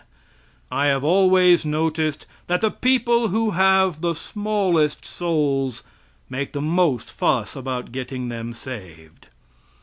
I have always noticed that the people who have the smallest souls make the most fuss about getting them saved.